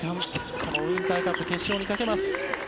このウインターカップ決勝にかけます。